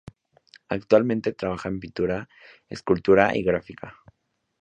Actualmente trabaja en pintura, escultura y gráfica.